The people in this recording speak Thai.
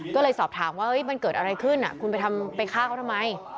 ก็เลยสอบถามว่ามันเกิดอะไรขึ้นคุณไปฆ่าเขาทำไม